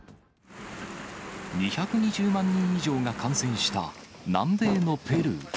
２２０万人以上が感染した南米のペルー。